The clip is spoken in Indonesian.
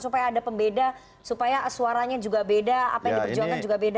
supaya ada pembeda supaya suaranya juga beda apa yang diperjuangkan juga beda